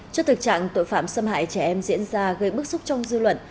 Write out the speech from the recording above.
trước thực trạng tội phạm xâm hại trẻ em diễn ra gây bức xúc trong dư luận